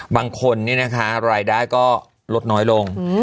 บางคนนี่นะคะรายได้ก็ลดน้อยลง